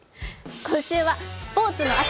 今週は「スポーツの秋！